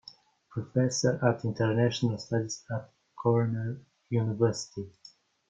Professor of International Studies at Cornell University.